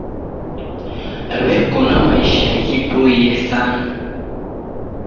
W'eko na maisha ghiboie sana.